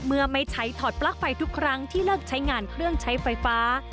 เมื่อไม่ใช้ถอดปลั๊กไฟทุกครั้งที่เลิกใช้งานเครื่องใช้ไฟฟ้า